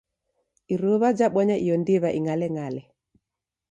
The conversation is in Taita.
Iruw'a jabonya iyo ndiw'a ing'aleng'ale.